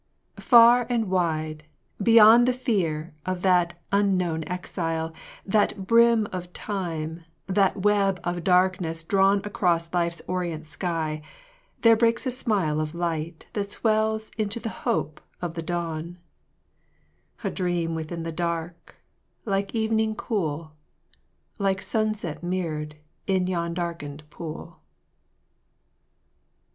Far and wide, Beyond the fear of that unknown exile, That brim of Time, that web of darkness drawn Across Life's orient sky, there breaks a smile Of light that swells into the hope of dawn : A dream within the dark, like evening cool, Like sunset mirror'd in yon darken'd pool.